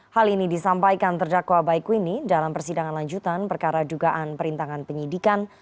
hal ini disampaikan terdakwa baikwini dalam persidangan lanjutan perkara dugaan perintangan penyidikan